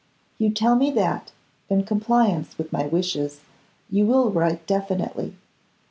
You tell me that, in compliance with my wishes, you will write definitely.